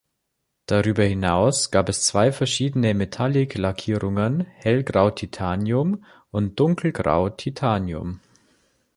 Darüber hinaus gab es zwei verschiedene Metallic-Lackierungen: Hellgrau-Titanium und Dunkelgrau-Titanium.